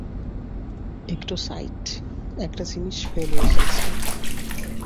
একটু সাইড, একটা জিনিস ফেলে এসেছি।